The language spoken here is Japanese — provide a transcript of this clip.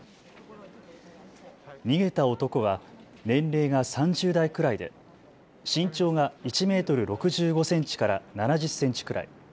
逃げた男は年齢が３０代くらいで身長が１メートル６５センチから７０センチくらい。